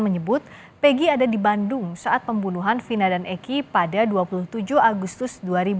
menyebut peggy ada di bandung saat pembunuhan vina dan eki pada dua puluh tujuh agustus dua ribu dua puluh